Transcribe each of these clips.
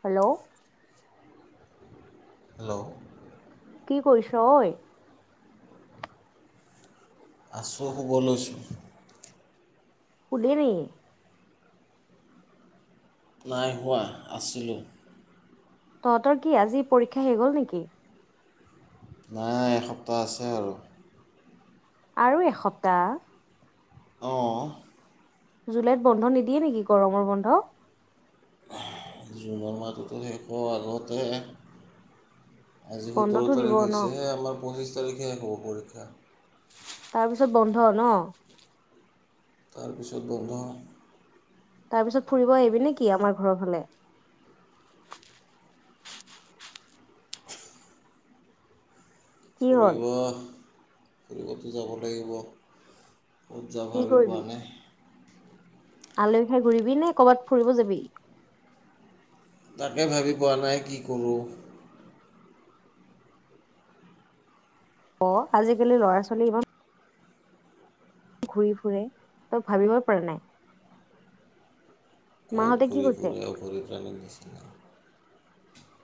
Hello. Hello কি কৰিছ অই? আছোঁ শুব লৈছোঁ। সুধিবি নাই হোৱা আছিলোঁ। তহঁতৰ কি আজি পৰীক্ষা শেষ হ'ল নেকি? নাই এসপ্তাহ আছে আৰু আৰু এসপ্তাহ। অঁ জুলাইত বন্ধ নিদিয়ে নেকি? গৰমৰ বন্ধ জুনৰ মাহটোতো শেষ হ আগতে। আজি বন্ধটো সোতৰ দিব তাৰিখ ন হৈছে আমাৰ পঁচিছ তাৰিখে শেষ হব। পৰীক্ষা। তাৰপিছত বন্ধ ন? তাৰপিছত বন্ধ। তাৰ পিছত ফুৰিব আহিবি নেকি আমাৰ ঘৰৰ ফালে। কি হ'ল ফুৰিব। ফুৰিবতো যাব লাগিব। উজ যা কি ভাবি কৰিবি পোৱা নাই। আলহী খাই ঘূৰিবি নে কৰবাত ফুৰিব যাবি? তাকে ভাবি পোৱা নাই কি কৰোঁ। অ আজিকালি ল'ৰা ছোৱালী ইমান ঘূৰি ফুৰে তই ভাবিব পৰা নাই। কত মাহঁতে কি ঘূৰি কৈছে ফুৰে অঘৰী প্ৰাণী নিচিনা।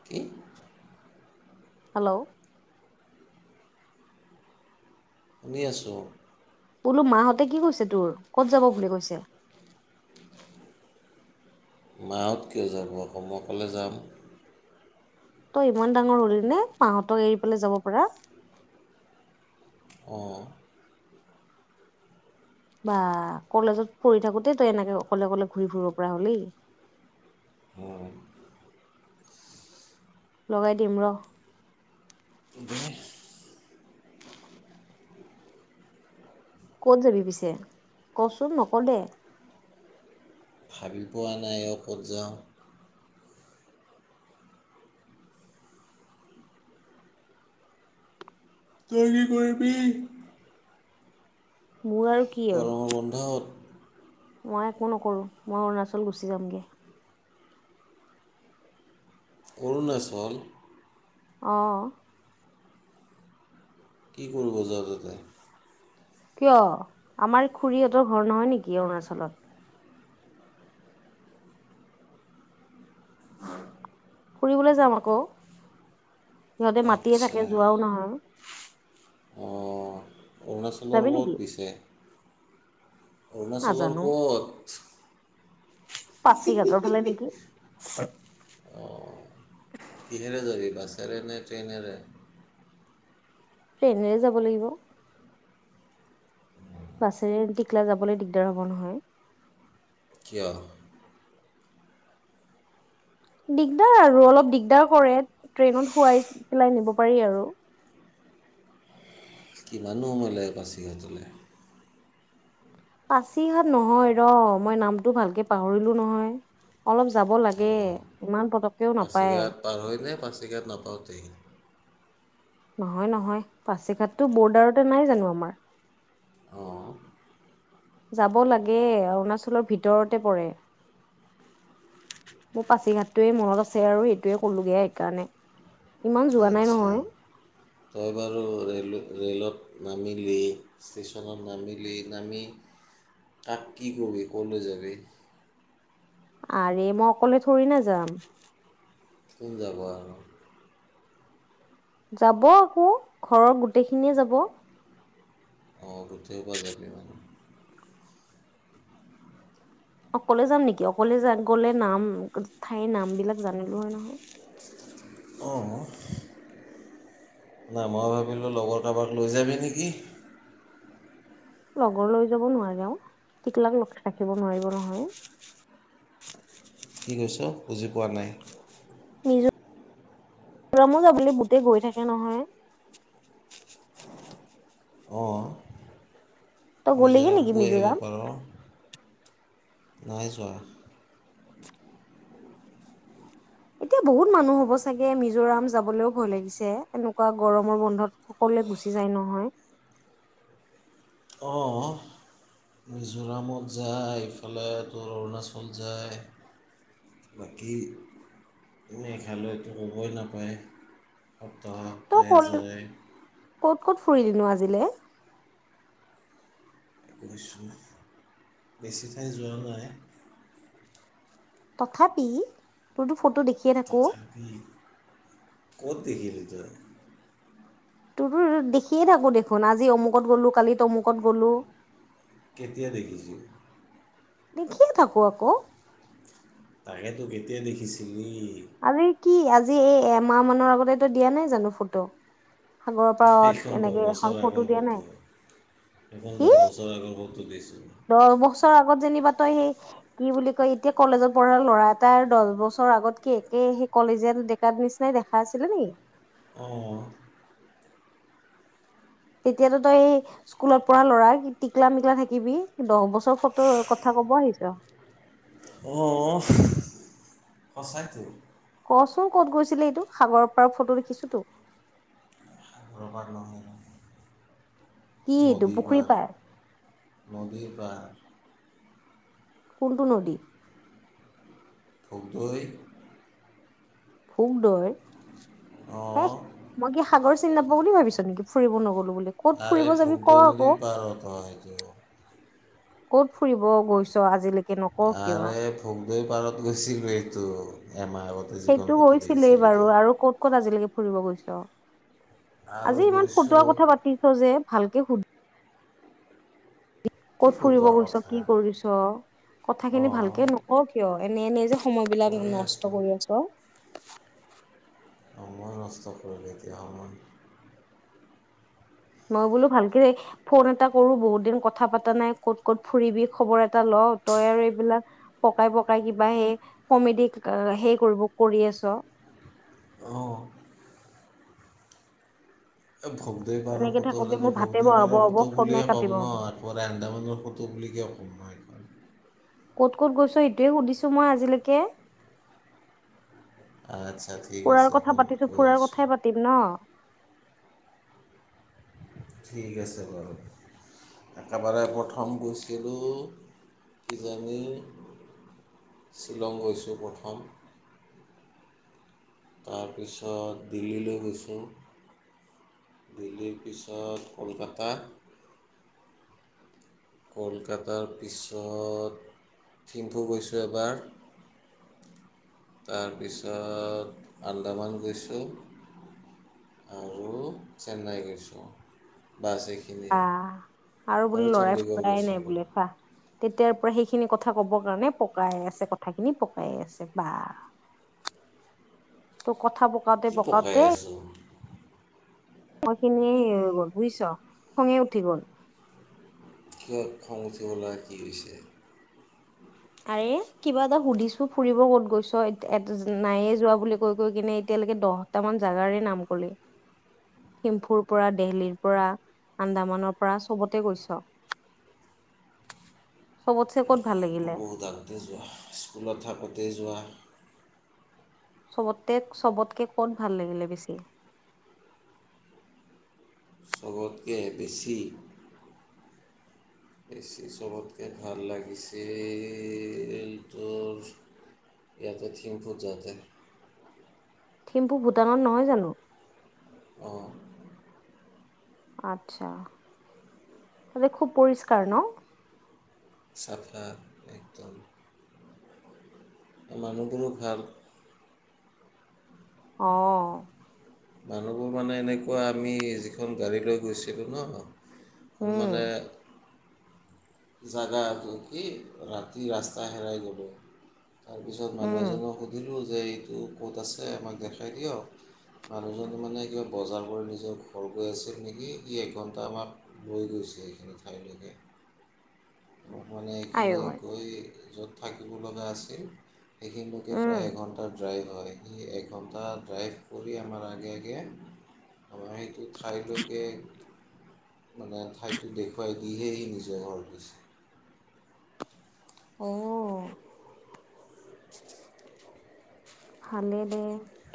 কি? হেল্ল' শুনি আছোঁ। বোলো মাহঁতে কি কৈছে তোৰ কত যাব বুলি কৈছে? মাহঁত কিয় যাব মই অকলে যাম। তই ইমান ডাঙৰ হলি নে মাহঁতক এৰি পেলাই যাব পাৰা। অঁ। বা কলেজত পঢ়ি থাকোতে তই এনেকে অকলে অকলে ঘূৰি ফুৰিব পৰা হলি। লগাই দিম ৰ। দে। কত যাবি পিছে কচোন নক দে। ভাবি পোৱা নাই অ ক'ত যাওঁ। তই কি কৰিবি? মোৰ আৰু কি গৰমৰ আৰু বন্ধত মই একো নকৰোঁ মই অৰুণাচল গুচি যামগৈ। অৰুণাচল অঁ। কি কৰিব যাৱ তই তাত? কিয় আমাৰ খুৰীহঁতৰ ঘৰ নহয় নেকি অৰুণাচলত। উ ফুৰিবলৈ যাম আকৌ। সিহঁতে মাতিয়ে আচ্ছা থাকে যোৱাও নহয় অঁ অৰুণাচলৰ যাবি নেকি বহুত পিছে অৰুণাচলৰ ক'ত পাচিঘাটৰ ফালে নেকি অঁ কিহেৰে জাবি বাছে বাছেৰে নে ট্ৰেইনেৰে ট্ৰেইনেৰে যাব লাগিব বাছেৰে টিখলা যাবলৈ দিগদাৰ হ'ব নহয় নহয় দিগদাৰ আৰু অলপ দিগদাৰ কৰে ট্ৰেইনত শোৱাই পেলাই নিব পাৰি আৰু কিমান নো সময় লাগে পাছিঘাটলে পাছিঘাট নহয় ৰ মই নামটো ভালকে পাহৰিলো নহয় অলপ যাব লাগে অঁ ইমান পতককেও নাপায় পাছিঘাট পাৰ হয় নে পাছিঘাত নাপাওঁতেই নহয় নহয় পাছিঘাটটো বৰ্ডাৰতে নাই জানো আমাৰ অ যাব লাগে অৰুণাচলৰ ভিতৰতে পৰে মোৰ পাছিঘাটটোৱে মনত আছে আৰু সেইটোৱে কলোগে সেইকাৰণে ইমান যোৱা নাই আচ্ছা নহয় ত এবাৰু ৰেলে ৰে'লত নামিলি ষ্টেচনত নামিলি নামি কাক কি কবি ক'লৈ যাবি আৰে মই অকলে থৰি না যাম কোন যাব আৰু যাব আকৌ ঘৰৰ গোটেইখিনিয়ে যাব অ, গোটেইসোপা যাবি মানুহ অকলে যাম নেকি, অকলে গলে নাম ঠাইৰ নাম বিলাক জানিলো হয় নহয়। অ, নাই মই ভাবিলো, লগৰ কাৰোবাক লৈ যাবি নেকি। লগৰ লৈ যাব নোৱাৰে অও, টিকলাক ৰখাই থব নোৱাৰিব নহয়। কি কৈছ বুজি পোৱা নাই। মিজৰামেও যাবলে গোতে গৈ থাকে নহয়। অ। তই গ'লেগে মিজোৰাম নেকি গৈ আহিব মিজোৰাম পাৰ। নাই যোৱা। এতিয়া বহুত মানুহ হ'ব চাগে, মিজোৰাম যাবলৈও ভয় লাগিছে, এনেকুৱা গৰমৰ বন্ধত সকলোৱে গুচি যায় নহয়। অ, মিজোৰামত যায়, এইফালে তোৰ অৰুণাচল যায়, বাকী তোৰ মেঘালয়তো ক'বই নাপায়। সপ্তাহ তই সপ্তাহে কল যায়। ক'ত, ক'ত ফুৰিলিনো আজিলে? ফুৰিছোঁ, বেছি ঠাই যোৱা নাই। তথাপি তই টো ফটো দেখিয়ে থাকো। তথাপি ক'ত দেখিলি ত‌ই? তোৰটো দেখিয়ে থাকো দেখোন, আজি অমুকত গ'লো, কালিত অমুকত গ'লো। কেতিয়া দেখিছ? দেখিয়ে থাকো, আকৌ। সেয়েতো কেতিয়া দেখিছিল? দী আৰে কি আজি, এই এমাহ মানৰ আগতে তই দিয়া নাই জানো ফটো। সাগৰৰ পাৰত সেইখন দহ এনেকে এখন বছৰ আগৰ দিয়া নাই ফটো, এখন কি দহ বছৰ আগৰ ফটো বেচি [unintelligible] দহ বছৰ আগত যেনিবা, তই সেই কি বুলি কয় এতিয়া কলেজত পঢ়া ল'ৰা, এটাৰ দচ বছৰ আগত কি একে, সেই কলেজীয়া ডেকা নিচিনাই দেখা আছিলে নেকি? অঁ। তেতিয়াতো তই, স্কুলত পঢ়া ল'ৰা টিকলা, মিক্লা থাকিবি, দহ বছৰ চব ফটো, কথা কব আহিছ। অঁ সঁচাইটো। কচোন ক'ত গৈছিলি এইটো? সাগৰৰ পৰাাৰ ফটো দেখিছো তো! সাগৰৰ পাৰ নহয় কি এইটো নদীৰ পুখুৰী পাৰ, নদীৰ পাৰ। কোনটোু নদী? ভোগদৈ। ভোগদৈ? হে, অঁ মই কি সাগৰ চিনি নাপাওঁ বুলি ভাবিছ নেকি? ফুৰিব নগলো বুলি ক'ত আৰে, ফুৰিব যাবি ক ভোগদৈ আকৌ নদীৰ পাৰত হয়, সেইটো। ক'ত ফুৰিব গৈছ আজিলৈকে তাকে নকওঁ কিয়! দৈ পাৰত গৈছিলো এইটো। এমাহ আগতে যিখন সেইটো ফটো গৈছিলোয়ে দেখিছিলোঁ বাৰু তই আৰু ক'ত ক'ত আজিলৈকে ফুৰিব গৈছো? আৰু আজি ইমান ফুটোৱাৰ গৈছোঁ কথা পাতিছ যে, ভাল শু [unintelligible] কি কত ফুৰিব ফটোৰ গৈছ, কথা কি কৰিছ? কথা খিনি অঁ ভালকে নক কিয়। এনে'এনে যে সময় বিলাক কৈয়ে নষ্ট আছোঁ কৰি আছো। আ মই নস্ত কৰিলো [unintelligible] আ মই মই বোলো ভালকে ফোন এটা কৰো বহুত দিন কথা পতা নাই কত ক'ত ফুৰিবি খবৰ এটা ল তই আৰু এইবিলাক পকাই পকাই কিবা সেই কমেডি হেই কৰিব কৰি আছ। অঁ। এই ভোগদেৱ বাৰৰ এনেকে ফটো থাকোতে হলেতো মোৰ ভাতে ভোগদেৱ বহাব বাৰৰ হ'ব ফটো ফোনে বুলিয়ে ক'ম কাটিব ন, হ'ব একেবাৰে আন্দামানৰ ফটো বুলি কিয় ক'ম। ন এইখন কত- ক'ত গৈছ সেইটোৱে সুধিছো মই আজিলৈকে? আচ্ছা ঠিক ফুৰাৰ আছে কথা শুন পাতিছো, কৈ ফুৰাৰ আছোঁ কথাই পাতিম না', ঠিক আছে বাৰু একেবাৰে প্ৰথম গৈছিলোঁ কিজানি শ্বিলং গৈছোঁ প্ৰথম, তাৰপিছত দিল্লীলৈ গৈছোঁ, দিল্লীৰ পিছত কলকাতাত, কলকাতাৰ পিছত থিম্ফু গৈছোঁ এবাৰ, তাৰপিছত আন্দামান গৈছোঁ আৰু চেন্নাই গৈছোঁ। বাছ এইখিনিয়ে আৰু চণ্ডীগড়, তাই নাই গৈছিলোঁ বোলে খোৱা, তেতিয়াৰ পৰা সেইখিনি কথা কব কাৰণে পকাই আছে কথাখিনি, পকাই আছে বা কথা পকাতে- কি পকাই পকাওতে, আছোঁ মই খিনিয়ে হে হৈ গল বুজিছ, খঙে উঠি গল। কিয় খং উঠিব লগা কি হৈছে? আৰে কিবা এটা সুধিছো ফুৰিব ক'ত গৈছ এ', নায়য়ে যোৱা বুলি কৈ কৈ কিনে এতিয়ালৈকে দহটামান জোগাৰে নাম কলি, থিমফুৰ পৰা দেহলিৰ পৰা আন্দামানৰ পৰা চবতে গৈছ, চবত, এইবোৰ বহুত আগতে যোৱা স্কুলত থাকোঁতে যোৱা। চবতে- চবতকে কত ভাল লাগিলে বেছি? চবতকে বেছি? বেছি চবতকৈ ভাল লাগিছিল তোৰ ইয়াতে থিমফুট যাওঁতে। থিম্পু ভূটানত নহয় জানো? অহ ', আচ্ছা তাতে খুব পৰিষ্কাৰ ন',? চাফা একদম। মানুহ খিনিও ভাল। অ', মানুহবোৰ মানে এনেকুৱা আমি যিখন গাড়ী লৈ গৈছিলোঁ নহ', উম মানে, জাগাটো কি, ৰাতি ৰাস্তা হেৰাই গলো, তাৰপিছত মানুহ উম এজনক সুধিলো, যে এইটো ক'ত আছে আমাক দেখাই দিয়ক, মানুহজন মানে কিবা বজাৰ কৰি নিজৰ ঘৰ গৈ আছিল নেকি, ই', একঘণ্টা আমাক লৈ গৈছে এইখিনি ঠাইলৈকে। মানে আই এইখিনি ঐ গৈ, য'ত থাকিব লগা আছিল, এইখিনলৈকে উম প্ৰায় এঘণ্টাৰ ড্ৰাইভ, তই কি একঘন্টা ড্ৰাইভ কৰ, সি আমাৰ আগে -আগে, অ', এইটো ঠাইলৈক, মানে ঠাইটো দেখুৱাই, দিহেহি নিজৰ ঘৰত গৈছে। অৱ ', [unintelligible] ভালেই দে,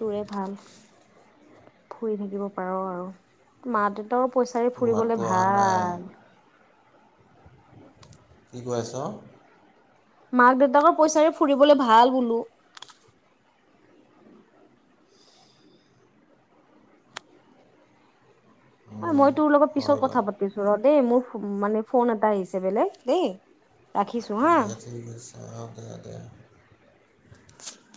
তোৰে ভাল, ফুৰি থাকিব পাৰ আৰু। মা দে ত পইছাৰে তোৰ ফুৰিবলে মাতটো অহা নাই ভাল কি কৈ আছ? মাক দেউতাকৰ পইচাৰে ফুৰিবলে ভাল বোলো। ঐ মই তোৰ লগত পিছত হয় কথা বাৰু পাতিছো ৰ দেই, মোৰ মানে ফোন এটা আহিছে বেলেগ, দেই। ৰাখিছো হা দে ঠিক আছে, অ দে দে।